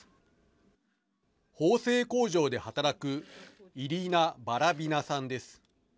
縫製工場で働くイリーナ・バラビナさんです。